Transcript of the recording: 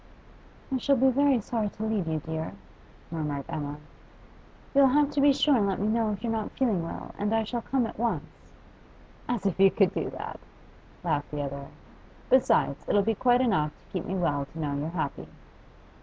'I shall be very sorry to leave you, dear,' murmured Emma. 'You'll have to be sure and let me know if you're not feeling well, and I shall come at once.' 'As if you could do that!' laughed the other. 'Besides, it'll be quite enough to keep me well to know you're happy.